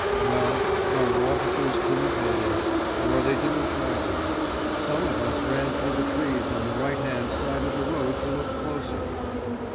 Well, our officers couldn't hold us—or they didn't try to. Some of us ran up through the trees on the right hand side of the road to look closer.